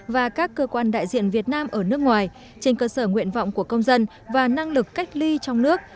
và các cơ quan đại diện việt nam ở nước ngoài trên cơ sở nguyện vọng của công dân và năng lực cách ly trong nước